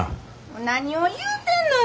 何を言うてんのよ